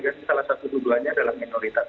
jadi salah satu tuduhannya adalah minoritas